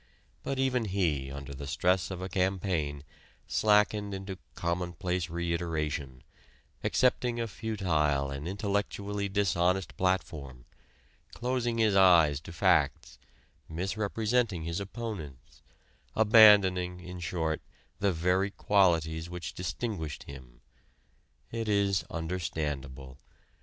But even he under the stress of a campaign slackened into commonplace reiteration, accepting a futile and intellectually dishonest platform, closing his eyes to facts, misrepresenting his opponents, abandoning, in short, the very qualities which distinguished him. It is understandable.